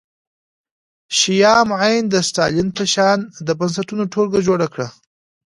شیام عین د ستالین په شان د بنسټونو ټولګه جوړه کړه